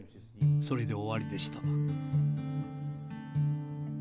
それで終わりでした。